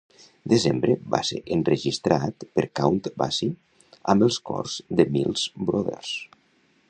"Desembre" va ser enregistrat per Count Basie amb els cors de Mills Brothers.